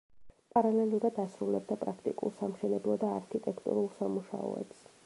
პარალელურად ასრულებდა პრაქტიკულ სამშენებლო და არქიტექტურულ სამუშაოებს.